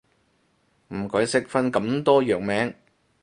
唔鬼識分咁多藥名